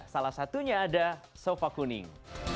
salah satunya ada sofa kuning